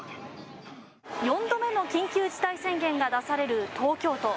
４度目の緊急事態宣言が出される東京都。